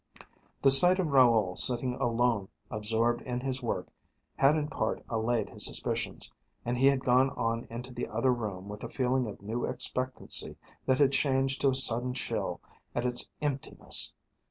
The sight of Raoul sitting alone absorbed in his work had in part allayed his suspicions, and he had gone on into the other room with a feeling of new expectancy that had changed to a sudden chill at its emptiness.